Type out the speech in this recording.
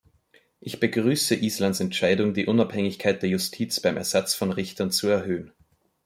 Ich begrüße Islands Entscheidung, die Unabhängigkeit der Justiz beim Ersatz von Richtern zu erhöhen.